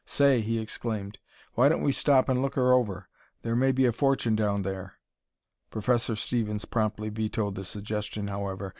"Say!" he exclaimed. "Why don't we stop and look her over? There may be a fortune down there!" Professor Stevens promptly vetoed the suggestion, however.